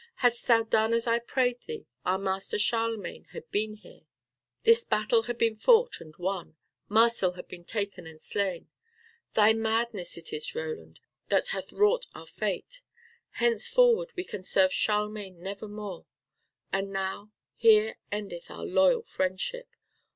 Hadst thou done as I prayed thee our master Charlemagne had been here. This battle had been fought and won. Marsil had been taken and slain. Thy madness it is, Roland, that hath wrought our fate. Henceforward we can serve Charlemagne never more. And now here endeth our loyal friendship.